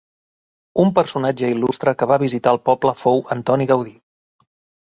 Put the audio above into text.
Un personatge il·lustre que va visitar el poble fou Antoni Gaudi.